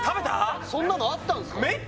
そんなのあったんすか？